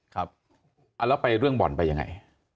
ครับแล้วไปเรื่องบ่อนไปยังไง